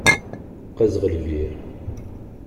Qqazeɣ lbir.